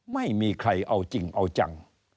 ไม่มีใครเอาจริงเอาจัง